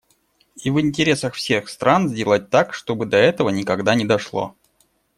И в интересах всех стран сделать так, чтобы до этого никогда не дошло.